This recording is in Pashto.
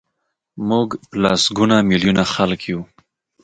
موږ لسګونه میلیونه خلک یو.